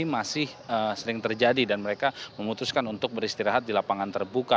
masih sering terjadi dan mereka memutuskan untuk beristirahat di lapangan terbuka